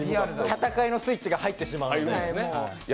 戦いのスイッチが入ってしまう。